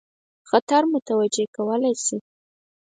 خطر متوجه کولای شي.